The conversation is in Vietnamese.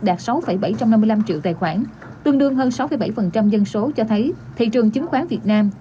là bảy nghìn bảy trăm năm mươi năm triệu tài khoản tương đương hơn sáu bảy dân số cho thấy thị trường chứng khoán việt nam